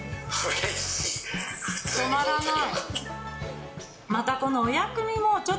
止まらない。